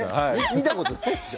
見たことないでしょ